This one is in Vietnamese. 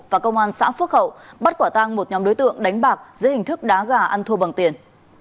và công an xã phước hậu bắt quả tang một nhóm đối tượng đánh bạc dưới hình thức đá gà ăn thua bằng tiền